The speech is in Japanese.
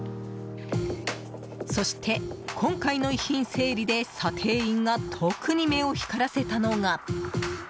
そして、今回の遺品整理で査定員が特に目を光らせたのが。